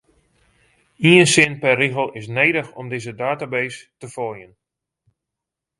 Ien sin per rigel is nedich om dizze database te foljen.